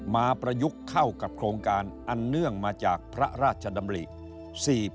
ประยุกต์เข้ากับโครงการอันเนื่องมาจากพระราชดำริ